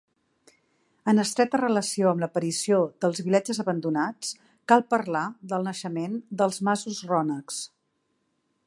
En estreta relació amb l'aparició dels vilatges abandonats, cal parlar del naixement dels masos rònecs.